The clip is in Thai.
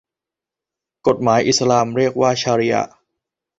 กฎหมายอิสลามเรียกว่าชาริอะฮ์